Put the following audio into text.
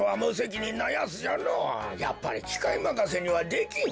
やっぱりきかいまかせにはできん。